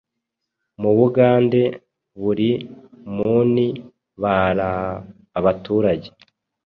mubugande buri muni baraa abaturage